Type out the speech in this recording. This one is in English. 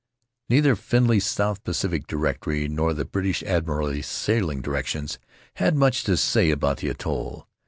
Neither Findlay's South Pacific Directory nor the Rutiaro British Admiralty Sailing Directions had much to say about the atoll.